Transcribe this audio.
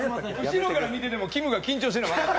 後ろから見てても、きむが緊張してるの分かった。